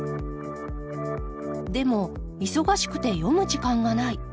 でも忙しくて読む時間がない。